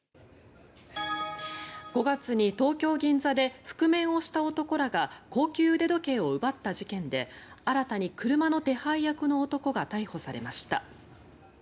５月に東京・銀座で覆面をした男らが高級時計店を奪った事件で新たに車の手配役の男が逮捕されました。